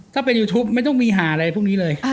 ถ้าเป็นยูทูปไม่ต้องมีหาอะไรพวกนี้เลย